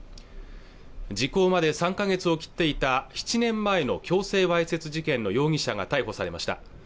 時効まで３か月を切っていた７年前の強制わいせつ事件の容疑者が逮捕されました